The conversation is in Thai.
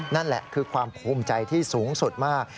นั่นแหละคือความภูมิใจที่สูงสุดมาก